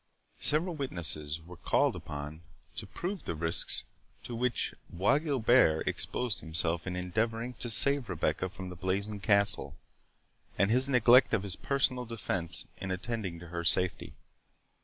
Several witnesses were called upon to prove the risks to which Bois Guilbert exposed himself in endeavouring to save Rebecca from the blazing castle, and his neglect of his personal defence in attending to her safety.